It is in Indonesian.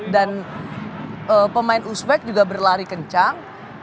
dan pemain uzbek juga berlari kencang